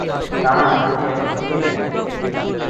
তাঁরা আমাকে এক চিঠি লেখেন।